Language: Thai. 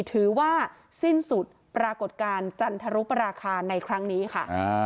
ถือว่าสิ้นสุดปรากฏการณ์จันทรุปราคาในครั้งนี้ค่ะ